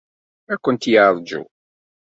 Ad kent-yeṛju.